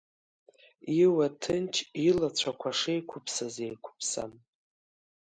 Иуа ҭынч илацәақәа шеиқәыԥсаз еиқәыԥсан.